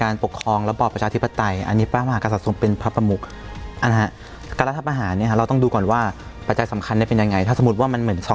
รัฐบาหารอย่างแน่นอน